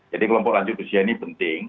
jadi kelompok lanjut usia ini penting